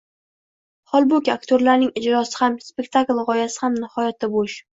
Holbuki aktyorlarning ijrosi ham, spektakl g‘oyasi ham nihoyatda bo‘sh…